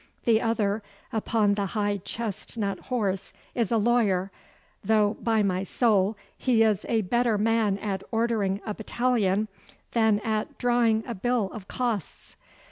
The other upon the high chestnut horse is a lawyer, though, by my soul, he is a better man at ordering a battalion than at drawing a bill of costs.